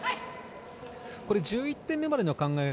１１点目までの考え方